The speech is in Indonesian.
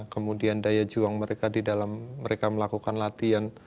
kemudian daya juang mereka di dalam mereka melakukan latihan